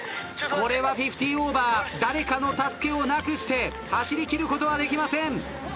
これはフィフティーオーバー誰かの助けをなくして走りきることはできません。